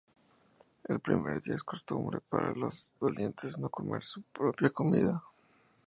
En el primer día, es costumbre para los dolientes no comer su propia comida.